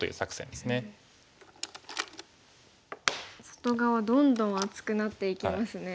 外側どんどん厚くなっていきますね。